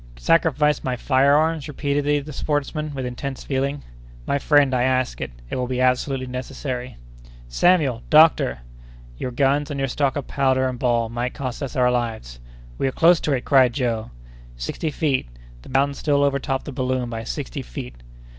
"Sacrifice my fire arms?" repeated the sportsman, with intense feeling. "My friend, I ask it; it will be absolutely necessary!" "Samuel! Doctor!" "Your guns, and your stock of powder and ball might cost us our lives." "We are close to it!" cried Joe. Sixty feet! The mountain still overtopped the balloon by sixty feet.